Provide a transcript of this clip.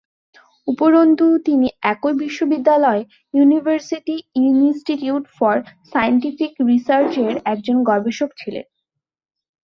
উপরন্তু, তিনি একই বিশ্ববিদ্যালয়ে "ইউনিভার্সিটি ইনস্টিটিউট ফর সায়েন্টিফিক রিসার্চ"-এর একজন গবেষক ছিলেন।